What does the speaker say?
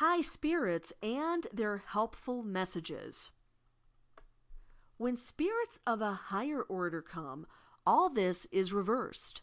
HIOB SPIRITS AND THQS HELPTCIj HESBAGIS When "spirits" of a higher order come, all this is reversed.